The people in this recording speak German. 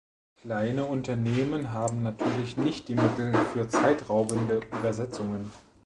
Kleine Unternehmen haben natürlich nicht die Mittel für zeitraubende Übersetzungen.